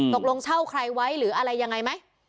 เช่าใครไว้หรืออะไรยังไงไหม